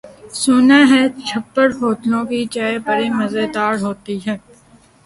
سنا ہے چھپر ہوٹلوں کی چائے بڑی مزیدار ہوتی ہے۔